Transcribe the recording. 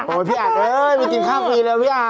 โอ้โฮพี่อัตเว้ยมากินข้าวฟรีเลยพี่อา